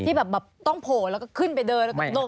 ที่แบบต้องโผล่แล้วก็ขึ้นไปเดิน